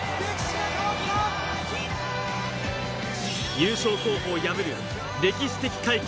優勝候補を破る歴史的快挙！